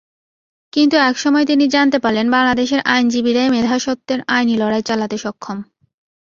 কিন্তু একসময় তিনি জানতে পারলেন, বাংলাদেশের আইনজীবীরাই মেধাস্বত্বের আইনি লড়াই চালাতে সক্ষম।